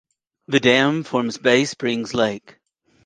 The dam forms Bay Springs Lake.